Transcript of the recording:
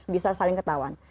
bisa saling ketahuan